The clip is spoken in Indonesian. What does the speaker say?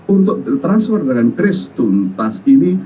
untuk transfer dengan kris tuntas ini